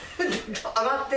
上がって。